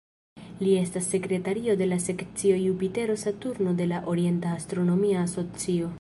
Li estas sekretario de la Sekcio Jupitero-Saturno de la Orienta Astronomia Asocio.